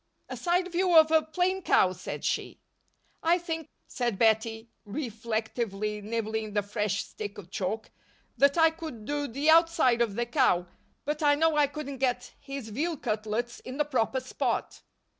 "A side view of a plain cow," said she. "I think," said Bettie, reflectively nibbling the fresh stick of chalk, "that I could do the outside of that cow, but I know I couldn't get his veal cutlets in the proper spot."